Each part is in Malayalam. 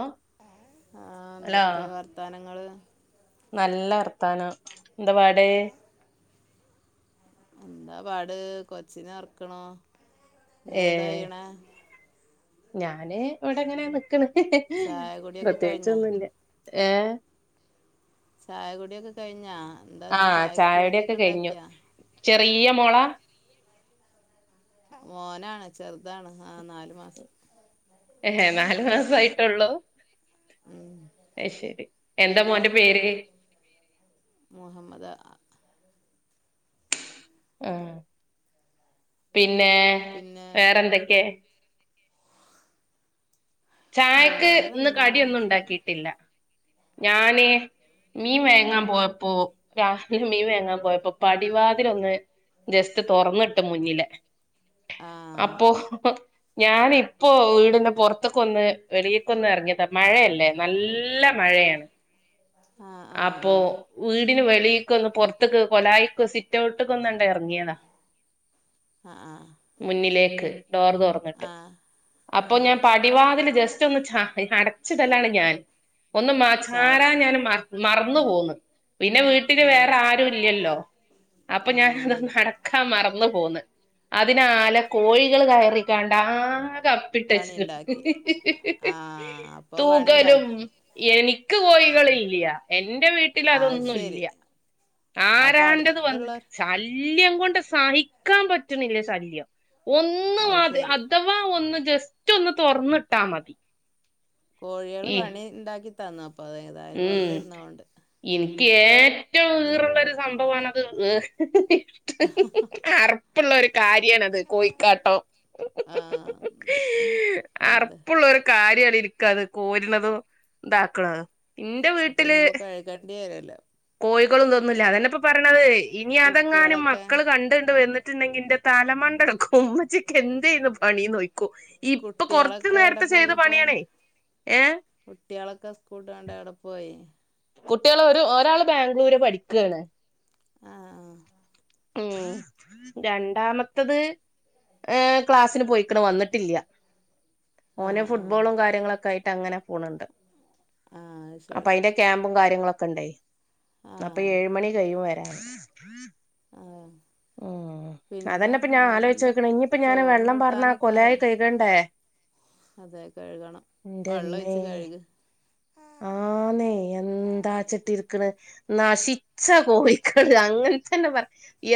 ഓ ആഹ് ഹലോ എന്തൊക്കെ വർത്താനങ്ങള് നല്ല വർത്താനം എന്തുവാടെ എന്താ പാട് കൊച്ചിനെ ഒറക്ക്ണൂ നീ ഏ എന്താ ചെയ്യ്ണേ ഞാന് ഇവിടെങ്ങനെ നിക്ക്ണ് ചായ കുടിയൊക്കെ കഴിഞ്ഞാ പ്രത്യേകിച്ചൊന്നുല്ല ഏ ചായ കുടിയൊക്കെ കഴിഞ്ഞാ ആ എന്താന്ന് ചായക്ക് ചായകുടിയൊക്കെ കടിയൊക്കെ കഴിഞ്ഞു ഇണ്ടാക്കിയോ ചെറിയ മോളാ മോനാണ് ചെറ്താണ് ആഹ് നാല് മാസം ഏ നാല് മാസായിട്ടൊള്ളൂ ഉം. അത് ശെരി എന്താ പിന്നെ മോൻ്റെ പേര് മുഹമ്മദ്- ആഹ് പിന്നെ പിന്നെ വേറെന്തൊക്കെയാ ചായക്ക് ഇന്ന് വേറെന്താ കടിയൊന്നും സുഖം. ഇണ്ടാക്കീട്ടില്ല ഞാന് മീൻ വാങ്ങാ പോയപ്പോ രാവിലെ മീൻ വാങ്ങാ പോയപ്പോ പടിവാതിലൊന്ന് ജസ്റ്റ് തൊറന്നിട്ട് മുന്നിലെ ആഹ് അപ്പോ ഞാന് ഇപ്പോ വീടിൻ്റെ പൊറ ത്തൊക്കൊന്ന് വെളീക്കൊന്ന് എറങ്ങിയതാ മഴയല്ലേ നല്ല മഴയാണ് ആ ആ ആ അപ്പോ- വീടിന് വെളീക്കൊന്ന് പൊറത്ത്ക്ക് കൊലാ [unintelligible] യ്ക്ക് സിറ്റഔട്ട് ക്കൊന്ന് എറങ്ങിയതാ ആ മുന്നിലേക്ക് ഡോറ് തൊറ ആ ആ - ആ അപ്പൊ ഞാൻ പടിവാതില് ജസ്റ്റൊന്ന് ചാ - അടച്ചിടലാണ് ഞാൻ ഒന്ന് ചാരി ചാരാൻ ഞാന് മറന്ന് പോന്ന് പിന്നെ വീട്ടില് ഉം. വേറെ ആരുയിലല്ലോ അപ്പൊ ഞാൻ ആ അട ക്കാൻ മറന്നു പോന്ന് അതിനാലെ കോഴികള് കയറിക്കാണ്ട് ആകെ- അപ്പിട്ടച്ച്ക്ക്ണ് പണിയിണ്ടാക്കി ആഹ് അപ്പൊ തൂകലും പണിയിണ്ടാക്കി എനിക്ക് കോഴികളില്യാ എന്റെ വീട്ടില് അതൊന്നുല്യാ അപ്പൊ അടുത്ത്ള്ളോര്- ശല്യകൊണ്ട് സഹിക്കാൻ പറ്റ്ണ്ല്യ ശല്യം ഒന്നും അത്- അഥവാ ഒന്ന് ജസ്റ്റൊന്ന് തൊറന്നിട്ടാ മതി കോഴികള് ഈ പണിയിണ്ടാക്കി തന്ന് അപ്പൊ അതേതായാലും വെറുതെ ഇര്ന്നതോണ്ട് ഇൻക്ക് ഏറ്റവും ഈറള്ളൊരു സംഭവമാണ് അത് ഏ അറപ്പ് ഉള്ളൊരു കാര്യാണ് അത് കോഴിക്കാട്ടം ആ എന്ത് അറപ്പ് ഉള്ളൊരു കാര്യാണ് എനിക്ക് അത് കോരണതും ഇതാക്ക്ണതും അപ്പൊ ഇനിയിപ്പെ കഴികേണ്ടി വരല്ലോ കോഴികളും ഇതൊന്നുല്ലാ അത് തന്നെ ഇപ്പൊ പറണത് ഇനി അതെങ്ങാനും കുട്ടികളൊക്കെ മക്കള് കണ്ട്ണ്ട് വന്നിട്ട്ണ്ടെങ്കി ഇൻ്റെ- തലമണ്ടെക്ക് ഒന്ന് - ഉച്ചക്ക് എന്തെ ഇന്ന് പണീന്ന് നോക്കിക്കോ ഇപ്പൊ കൊറച്ച് കുട്ടികളൊക്കെ എവിടെ നേരത്തെ പോയി ചെയ്ത അപ്പോൾ പണിയാണേ ഏയെ കുട്ടികളൊക്കെ സ്കൂട്ടറും കൊണ്ട് എവിടെ പോയി കുട്ടികള് ഒര് ഒരാള് ബാംഗ്ലൂര് പഠിക്കാണ് ആഹ് ആഹ് ഉം രണ്ടാമത്തത്- ഏയ് ക്ലാസ്സിന് പൊയെക്ക്ണ് വന്നിട്ടില്ലിയ ആ ആ ഓന് ഫുട്ബോളും കാര്യങ്ങളൊക്കായിട്ട് അങ്ങനെ പോണ് ഇണ്ട് ആ അത് അപ്പോ ശരി അയിന്റെ - ക്യാമ്പും കാര്യങ്ങളൊക്കെണ്ടേ ആ അപ്പൊ ഏഴ് മണി കഴിയും വരാൻ ആഹ് ഉം അതന്നെയാ ഇപ്പൊ ഞാൻ ആലോയിച്ചു നിക്കണേ ഇഞ്ഞിപ്പ ഞാന് ചോറും വെള്ളം പാർന്ന് കൂട്ടാനൊക്കെ കൊലായി ആയാ കഴ്കണ്ടേ അതെ കഴ്കണം വള്ളൊഴിച്ച് കഴ്ക് ആന്നെ എന്താച്ചിട്ടിരിക്ക് ണ് നശിച്ച കോഴിക്കള് അങ്ങനെതന്നെ പറ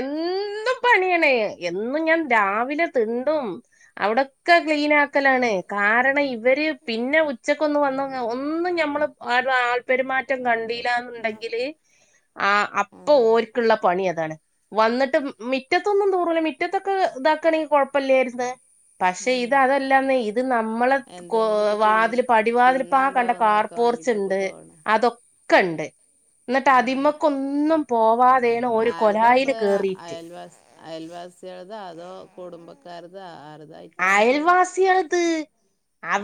എന്നും പണിയണേ എന്നും ഞാൻ രാവിലെ തിണ്ടും ഔടെക്കെ ക്ലീൻ ആക്കലാണ് കാരണം ഇവര് പിന്നെ ഉച്ചക്കൊന്ന് വന്ന ഒന്നുംഞ നമ്മള് ആ ആല്പരുമാറ്റം കണ്ടില്ലന്നുണ്ടെങ്കില് ആ അപ്പൊ ഓരിക്കുള്ള പണി അതാണ് വന്നിട്ട് മിറ്റത്തൊന്നും തൂറുല്ല മിറ്റത്തൊക്കെ ഇതാക്കണെങ്കിൽ കൊഴപ്പല്ലായിര്ന്ന് പക്ഷെ ഉം ഇത് അതല്ലാന്നെ ഇത് നമ്മളെ എന്തെങ്കിലുമൊക്കെ തി വാതില് പടിവാതില് പ്പാആ തിന്നാണ്ടോ കണ്ട കാർ നോക്കാൻ വേണ്ടിട്ടൊക്കെ പോർച്ച്ണ്ട് പോകണേ അതൊ ഒക്ക ഇണ്ട് എന്നിട്ട് ആ അതിമക്കൊന്നും പോവാതെണ് ഓര് കൊലായില് കേറിട്ട് അയൽവാസിയിള് തോ അതോ കുടുംബക്കാരതോ ആർതാ അയൽവാസിയള്ത്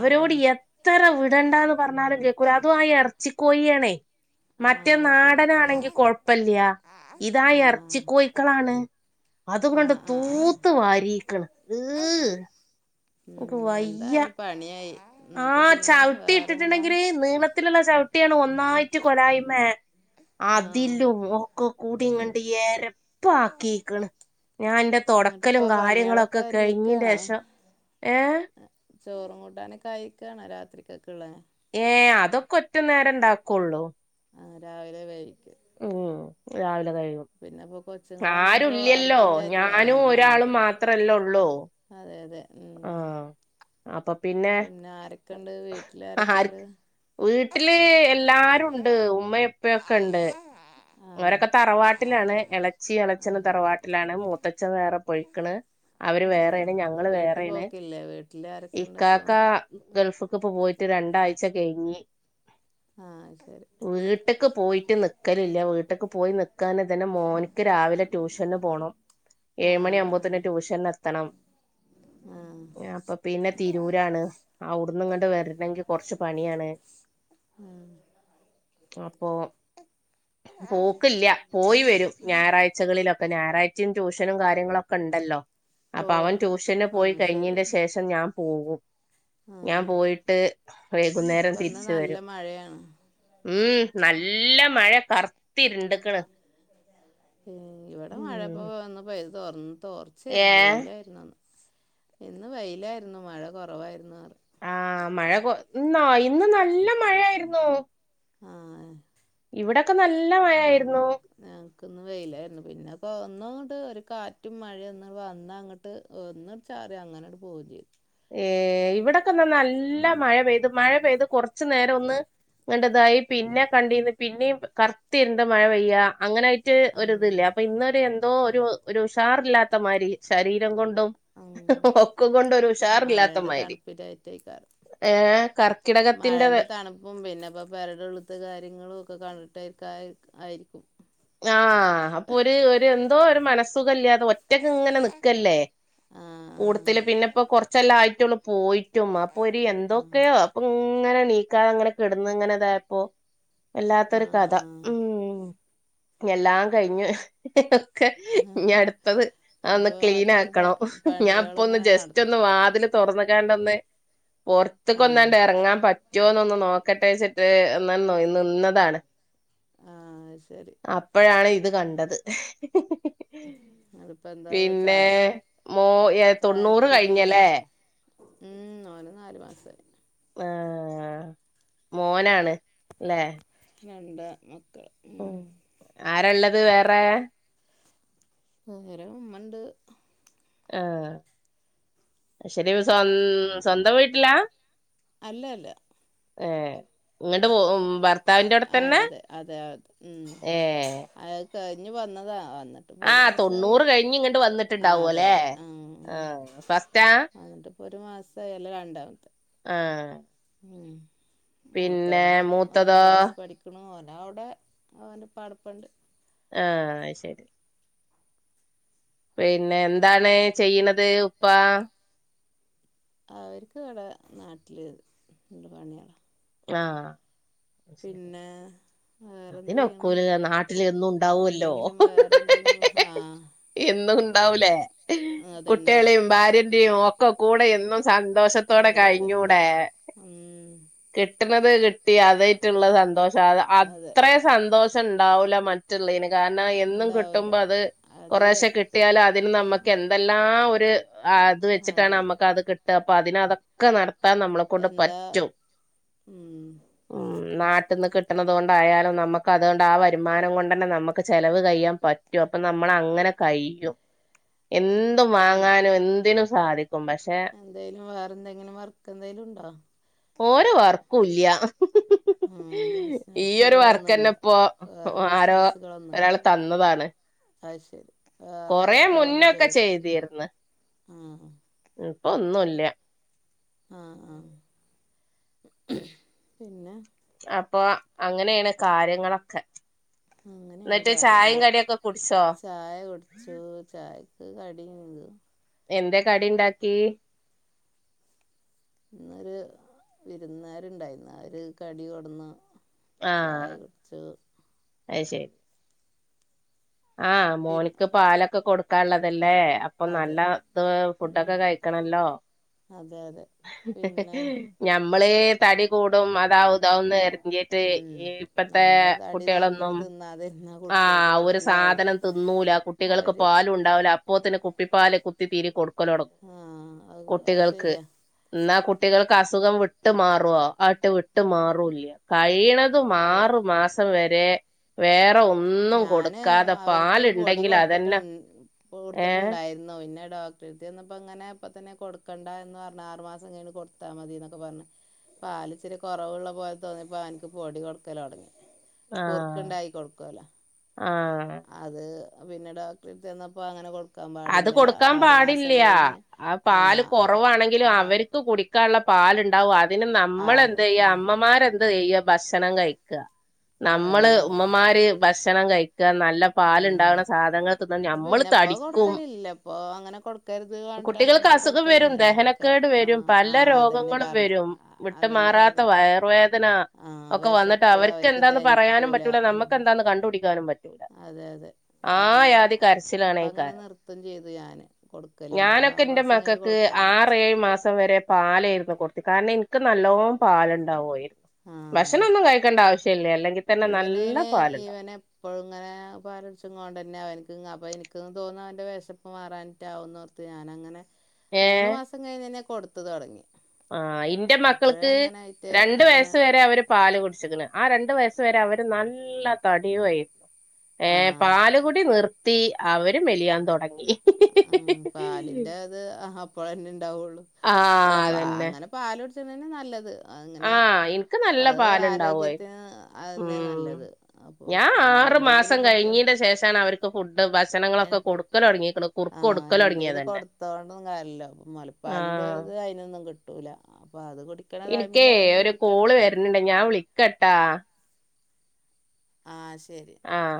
ആ എത്ര വിടണ്ടന്ന് പറഞ്ഞാലും ക്കെ അതും ആ ഇറച്ചിക്കോയി്യണേ ആ മറ്റേ അത് ശരി നാടൻണെങ്കി കൊഴപ്പല്യ ഇതാ ആ എറച്ചി കോഴ്ക്കളാണ് ആ അതുങ്ങട്ട് ആ ആ തൂത്ത് വാരിക്ക്ണ് ഹ് ഉം എന്തായാലും പണിയായി എന്നിട്ട് ആഹ പിന്നെ ചവിട്ടി വേറെന്താ ഇട്ടിട്ടുണ്ടെങ്കില് നീളത്തിലുള്ള ചവിട്ടിയാണ് ഒന്നായിട്ട് കൊലായ്മേ ആ അതിലും ഒക്കെ കൂടി ഇങ്ങണ്ട് ഏരപ്പ ആക്കിക്കണ് ഞാൻ ഇന്റെ തൊടക്കലും എന്നിട്ടിപ്പോ പണികളൊക്കെ കാര്യങ്ങളുംക്കെ കഴിഞ്ഞീന്റെ ഒരുങ്ങിക്കാണോ ഷം ഏ ചോറും കൂട്ടാനക്കെ അഴിക്കണോ രാത്രിക്കൊക്കുള്ള ഏ അതൊക്കെ ഒറ്റ നേരം ഇണ്ടാക്കുള്ളൂ ആ രാവിലെ വേവിക്കു ഓ രാവിലെ കഴിയും ഇപ്പോ കൊച്ചുങ്ങളൊന്നും ഇപ്പോ ആരുല്യല്ലോ അർജന്റായിട്ട് ഞാനും വരാൻ ആ ഒരാളും അതന്നെ മാത്രല്ല ഒള്ളൂ അതെ അതെ ഉം ആഹ് അപ്പൊ പിന്നെ ആരൊക്കെണ്ട് വീട്ടിൽ ആ ആരൊക്കെണ്ട് വീട്ടില് എല്ലാരുണ്ട് ഉമ്മപ്പയൊക്കെ ഇണ്ട് ആ ഓരൊക്കെ തറവാട്ടിലാണ് എളച്ചി ആ എളച്ചന് തറവാട്ടിലാണ് മൂത്തച്ൻ വേറെ പോഴി ക്ക്ണ് അവര് ഉം വേറെണ് ഞങ്ങള് വീട്ട് വേറെണ് പോക്കില്ലേ വീട്ടിൽ ഇ ആരൊക്കെണ്ട് ഇപ്പോ കാക്ക ഗൾഫ് ക്ക് ഇപ്പോ പോയിട്ട് രണ്ടാഴ്ച കഴിഞ്ഞി ആ അഹ് ശരി വീട്ട്ക്ക് പോയിറ്റ് ന്ന് ക്കലില്ല ട്ട്ക്ക് പോയി നിക്കാന് തന്നെ മോന്ക്ക് രാവിലെ ട്യൂഷന് പോണം ആ ഏയ്മണി ആ ആവ്മ്പത്തുന് റ്റൂഷന് എത്തണംം ആ പ്പൊ പിന്നെ തിരൂരാണ് ഔടുന്ന് ഇങ്ങണ്ട് വരണെങ്കികുറച്ച് പണിയാണ് ഉം അപ്പൊ പോക പോയി വരും ഞായറാഴ്ചകളിലൊക്കെ ഞായറാഴ്ചിം ട്യൂഷനും കാര്യങ്ങളൊക്കെ ണ്ടല്ലോ പോ അപ്പൊ അവൻ ട്യൂഷന് ആ പോയി ശരി കഴിഞ്ഞന്റെ ആ ശേഷം ഞാൻ പോവും ഞാൻ പോയിട്ട് വൈകുന്നേരം ഇപ്പന്ന് തിരിച് നല്ല വരും മഴയാണ് ഉം നല്ല മഴ കർ ഉം ഇവിടെ മഴപ്പോ ഉം ഒന്ന് പെ യത് തോർന്ന് തോർ ഛ് ഏ ന്നു വെയിലായിരുന്നുന്ന് ഇന്ന് വെയിലായിരുന്നു മഴ കൊറവായിരുന്നു ആ് മഴ കൊ ഇന്നോ ഇന്ന് നല്ല മഴയായിരു ന്നു ആഹ് ഏ ഇവിടക്കെ നല്ല മഴയിരുന്നു ഞങ്ങ്ക് ന്ന് വെയിലായിരുന്നു പിന്നെ പോ ഒന്നുട്ട് ഒരു കാറ്റും മഴയൊന്ന് വന്ന ങ്ങട് ട്ട് ഒന്നട്ട് ചാറി അങ്ങനണ്ട്പോവും ചെയ്ത് എയ്‌ ഇവിടെക്കെന്ന നല്ല മഴ പെയ്ത് മഴ പെയ്ത് കൊറച്ച് നേരം ഒന്ന് ദേണ്ടെ ദാ ഇ പിന്നെ കണ്ടീന്ന് പിന്നെയും കർത്തിര്ണ്ട് മഴ പെയ്യാ. അങ്ങനായ് റ്റ് ഒരിതില്ല. അങ് അപ്പൊ ഇന്നൊരു എന്തോ ഒരു ഒരു ഉഷാറില്ലാത്തമാതിരി ശരീരം കൊ ണ്ടും ഒക്കെ കൊണ്ടൊരു മഴന്റെ തൺപ്പില്ലായിറ്റെക്കാരം. ഏ കർക്കിടകത്തിന്റെ മഴന്റെ ത ണുപ്പും പിന്നെപ്പ പെരേടുള്ള്ത്തെ കാര്യങ്ങളും ഒക്കെ കണ്ടിട്ടെയ്ക്കാ ആയിരിക്കും. ആഹ് അപ്പൊ ഒര് ഒര് എന്തോ ഒരു മനസ്സുഖല്ല്യാതെ ഒറ്റക്ക് ഇങ്ങനെ നിക്കല്ലേ ആ കൂടത്തില്. പിന്നെ പ്പം കൊർച്ചെല്ലാ ആയിട്ടൊള്ളു പോയിട്ടും അപ്പൊ ഒര് ആ എന്തൊക്കെയോ ഇപ്പങ്ങനെ ണീക്കാതെ ഇങ്ങനെ കിടന്ന് ഇങ്ങനെ ഇതായപ്പോ ആ ആ വല്ലാത്തൊരു കഥ. ആ ഉംമ് എല്ലാം കഴിഞ്ഞ് ഒക്കെ ഇഞ്ഞട്ത്തത് അഹ് ഒന്ന് ഇനിയിപ്പോ ക്ലീൻ അടുത്ത പ ആക്കണം ഞാൻ ഇപ്പ ഒന്ന് പണികളിങ്ങനെ നട ജസ്റ്റ് ഒന്ന് വാതിൽ തൊർന്ന്ക്കാണ്ടൊന്ന്, ആഹ് പൊർത്ത്ക്കൊന്നാണ്ട് എറങ്ങാൻ പ റ്റോന്നൊന്ന് നോക്കട്ടെച്ചിട്ട് ഒന്നാണ്ട് നൊയ് നിന്നതാണ്. ആഹ് അത്ശരി അപ്പഴാണ് ഇത് കണ്ടത് ഇങ്ങളിപ്പോ എന്താ പിന്നേ ചായ മോ യേ തൊണ്ണൂറ് കഴിഞ്ഞ ലേ. ഉം ഓന് നാല് മാസായി ആഹ് മോനാണ് ല്ലേ രണ്ടാ മക്കൾ ഉം ആരള്ളത് വേറെ വേറെ ഉമ്മണ്ട് ആഹ്, അഹ്ശരി പ്പം സ്വ സ്വന്തം വീട്ടിലാ? അല്ല അല്ല ഏഹ് ഇങ്ങട്ട് പോ ഭർത്താവിന്റെ ആഹ് അവിടെത്തന്നെ അതെ അതെ ഏഹ് കഴിഞ്ഞു വന്നതാ. വന്ന് ട്ട് പ്പൊര് ആഹ് മാസായി. തൊണ്ണൂറ് കഴിഞ്ഞ് ഇങ്ങട്ട് ആഹ് അതെ വന്നിട്ടുണ്ടാവുംല്ലേ അതെ ആഹ് എന്നിട്ട് ഒരു മാസായി അല്ല രണ്ടാമത്തെ ആഹ് ഉം, പിന്നെ മൂത്തവന് ഒന്നാം മൂത്തതോ ക്ലാസ് പഠി ക്ക്ണ്. ഓനവ്ടെ ഓൻ്റെ പടപ്പ്ണ്ട് ആഹ് അഹ്ശരി പിന്നെ എന്താണ് ചെയ്യ്ണത് ഉപ്പാ അവർക്ക് ഇവടെ നാട്ടില് ഇണ്ട് പണിയേളാ ആഹ് ശരി പിന്നെ വേറെന്തെയ്യുണു? അതിനൊക്കൂല നാട്ടില് എന്നും ഉണ്ടാവുല്ലോ എന്തെങ്കിലും വേറെ എന്തെങ്കിലും ആഹ് എന്നും ഇണ്ടാവുലേ ആ കുട്ട്യേളിം ഭാര്യൻ്റിം ഒക്കെ കൂടെ എന്നും സന്തോഷത്തോടെ അതെ അതെ കഴിഞ്ഞൂടെ. ഉം കിട്ടുന്നത് കിട്ടി അതേയിറ്റുള്ള സന്തോഷം അത് അതെ അത്രേം സന്തോഷം ഉണ്ടാവൂല മ റ്റ്ള്ളേന്. കാരണം എന്നും ഉണ്ടാവൂല കിട്ടുമ്പത് അത് കൊറേശെ കി ട്ടിയാലതിന് നമക്ക് എന്തെല്ലാം ഒര് അത് വെച്ചിട്ടാണ് അതെ നമുക്കത് കി ട്ടാ, അപ്പൊ അതിനതൊക്കെ നടത്താൻ നമ്മളെ കൊണ്ട് എന്താ പറ്റും, ഉം ഉം നാട്ട്ന്ന് കിട്ടണത് കൊണ്ടായാലും നമുക്കതുകൊണ്ട് ആ വരുമാനം കൊണ്ടന്നെ നമക്ക് ചെലവ് കഴിയാൻ പറ്റും അപ്പ നമ് മ്മളങ്ങനെ കയ്യും. എന്തും ഇപ്പം വാങ്ങാനും എന്തിനും സാധിക്കും പഷേ എന്തേലും വേറെ എന്തെങ്കിലും വർക്ക് എന്തേലും ഉണ്ടോ? ഓര് വർക്കൂല്ല്യാ. ഉം ഈയൊരു ബിസിനസ്സുകളൊന്നുമില്ല വർക്കെന്നപ്പോ വേറൊരു ആരോ ബിസിനസ്സുകളൊന്നുമില്ല ഒരാൾ തന്നതാണ്. അത് ശരി, വേറെ കൊറെ വർക്കുക്കാളൊന്നും മുന്നൊക്കെ ചെയ്തിട്ടില്ല, ചെയ്തിരുന്ന് ആഹ് ഇപ്പൊ ഒന്നുമല്ല ആഹ ആഹ പിന്നെ അപ്പൊ അങ്ങനെയാണ് കാര്യങ്ങളൊക്കെ അങ്ങനെയാണ് എന്നിട്ട് കാര്യങ്ങൾ ചായയും കടിയൊക്കെ കുടിച്ചോ ചായ കുടി ച്ചു ചായക്ക് കടിയെന്ത് എന്താ കടി ഇണ്ടാക്കി ഇന്നൊരു വിരുന്നാരുണ്ടായിരുന്ന് അവര് കടി കൊടന്ന് ആ അയ്ശരി ആ പിന്നെ മോന്ക്ക് പാലൊക്കെ കൊടുക്കാൻ ഉള്ളതല്ലേ അപ്പൊ അതെ നല്ല ഇത് ഉം ഫുഡൊക്കെ കഴിക്കണല്ലോ അതെ അതെ പിന്നെ ഞമ്മള് തടി കൂടും അതാവു എറങ്ങീട്ട് ഉം ഇപ്പത്തെ കുട്ടികളൊന്നും അതെന്നെ ആ ഒരു സാധനം തിന്നൂല കുട്ടികൾക്ക് അവര് പാലും ഉണ്ടാവൂല അപ്പോത്തിന് കുപ്പിപ്പാല് കുത്തി തീരി കൊടുക്കല് തുടങ്ങും ആ അത് അത് കുട്ടികൾക്ക് ശരിയാ എന്നാ കുട്ടികൾക്ക് അസുഖം വിട്ട് മാറുവോ ആട്ട് വിട്ട് മാറൂല്ല കഴിയണത് അതെ ആറ് മാസം വരെ വേറൊ ഞാന് അവര്ക്ക് പൊടി കൊടുത്തിട്ടു അതന്നെ ഏഹ് കൊടുത്തിട്ടുണ്ടായിരു ന്നു പിന്നെ ഡോക്ടറടുത്ത് ചെന്നപ്പോ ഇങ്ങനെ ഇപ്പൊ തന്നെ കൊടുക്കണ്ട എന്ന് പറഞ്ഞ് ആറ് മാസം കഴിഞ്ഞിട്ട് കൊടുത്താൽ മതി എന്നൊക്കെ പറഞ്ഞ് പാലിച്ചിരി കുറവുള്ള പോലെ തോന്നിയപ്പോൾ അവന്ക്ക് പൊടി കൊടുക്കല തുടങ്ങി ആഹ കുറുക്കുണ്ടാക്കി കൊടുക്കുമല്ലോ ആഹ അത് പിന്നെ ഡോക്ടറെടുത്ത് ചെന്നപ്പോൾ അങ്ങനെ അത് പാടില്ല കൊടുക്കാൻ ആറ് മാസം പാടില്ല്യ കഴിഞ്ഞ് ആ പാല് കുറവാണെങ്കിലും ആറ് അവർക്ക് കുടി ക്കാള്ളെ പാലുണ്ടാവും അതിന് നമ്മള് എന്ത് ആറ് ചെയ്യ ആ അമ്മമാരെന്ത് ചെയ്യ ഭക്ഷണം കഴിക്ക നമ്മള് അതന്നെ അതന്നെ ഉമ്മമാര് ഭക്ഷണം കഴിക്ക നല്ല പാലുണ്ടാകണ സാധനങ്ങൾ തിന്ന ആഹ് ഞമ്മള് പിന്നെ ഇപ്പൊ തടിക്ക കൊടുക്കലില്ല ഇപ്പൊ അങ്ങനെ കൊടുക്കരുത് പറഞ്ഞിട്ട് അങ്ങനെ കുട്ടികൾക്ക് ഇപ്പൊ അസുഖം വരും കൊടുക്കലൊന്നുമില്ല അവർക്ക് ദഹനക്കേട് വരും ആഹ് പല ആഹ് രോഗങ്ങ അതന്നെ ളും പറഞ്ഞ് വരും ആ, അതന്നെ വിട്ട്മാറാത്ത പറഞ്ഞ് വയറ് വേദന ആഹ് ഒക്കെ വന്നിട്ട് വിശപ്പ് അവർക്ക അവർക്ക് എന്താന്ന് പറയാനും ദഹിക്കൂല പറ്റൂല ഉം. നമ്മക്കെന്താന്ന് കണ്ടുപിടിക്കാനും പറ്റൂ അതെ അതെ അതന്നെ ഇപ്പ അങ്ങനെ കരച്ചിലാണേക്കാരം നിർത്തും ചെയ്ത് ഞാന് കൊടുക്ക ഞാനൊക്കെ ഇന്റെ മക്കക്ക് ആറേഴ് മാസം വരെ പാലായിരുന്നു കൊടുത്തി കാരണം എനിക്ക് നല്ലോ പാലുണ്ടാവുമായിരുന്നു ഭക്ഷണം ഒന്നും കഴി ക്കണ്ട ആശ്യമില്ല അല്ലെങ്കിൽ തന്നെ നല്ല ഇവനയ്ന് പാലുണ്ടാവും ഇവനെ ഇപ്പോ ഇങ്ങനെ പാലിടിച്ച്ങ്ങോണ്ട് തന്നെ എനിക്ക് അപ്പോൾ എനിക്കും തോന്നി അവന്റെ വിശപ്പു മാറാനിട്ടാവുമെന്ന് ത്ത് ഞാനങ്ങനെ ഏ മൂന്ന് മാസം കഴിഞ്ഞ് തന്നെ കൊടുത്ത തുടങ്ങി ആ ഇന്റെ മക്കൾക്ക് അപ്പോഴങ്ങനെ ആയിട്ട് രണ്ട അങ്ങനെ വയസ് വരെ അവര് പാല് കുടിച്ചിക്കിന് ആ രണ്ടു വയസ് വരെ അവര് നല്ല തടിയു ആയി ഏ ആ പാലുകുടി നിർത്തി അവര് മെലിയാൻ തുടങ്ങി ഉം പാലിന്റെ അത് അപ്പഴന്നെ ഇണ്ടാവുള്ളു ആ അല്ല അതന്നെ അങ്ങനെ പാലുടിച്ചണന്നെ നല്ലത് ആ അങ്ങനെ എനിക്ക് നല്ല അത് പാലുണ്ടാവുമായിരുന്നു ആരോഗ്യത്തിന് അന്നെ ഉം നല്ലത് അപ്പോൾ ഞാൻ നമ്മൾ ആറു മാസം എന്തെങ്കിലും കഴിഞ്ഞീന്റെ കൊടുക്കണം ശേഷാണ് അവർക്ക് ഫുഡ് ഭക്ഷണങ്ങളൊക്കെ കൊടുക്കല് തൊടങ്ങീക്കണെ ആഹ് എന്തേലും കൊടുത്തോണ്ടു കാര്യമില്ല ആ മുലപ്പാലിന്റെത് ഗുണങ്ങൾ കിട്ടൂല അപ്പൊ അത് കുടിക്ക എനിക്കേ ഒരു കോള് വരണണ്ട് ഞാൻ വിളിക്കട്ടാ ആഹ ശരി ആഹ